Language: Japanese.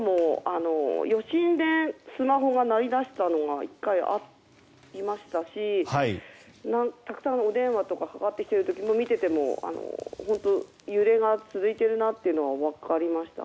余震でスマホが鳴り出したのが１回ありましたしたくさん、お電話とかかかってきてる時もずっと揺れが続いているなと分かりました。